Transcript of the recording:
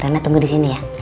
rana tunggu disini ya